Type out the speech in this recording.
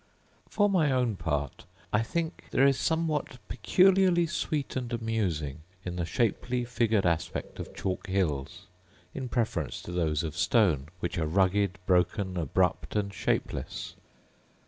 For my own part, I think there is somewhat peculiarly sweet and amusing in the shapely figured aspect of chalk hills in preference to those of stone, which are rugged, broken, abrupt, and shapeless.